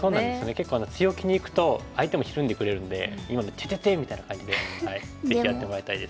結構強気にいくと相手もひるんでくれるんで今の「テテテイッ！」みたいな感じでぜひやってもらいたいです。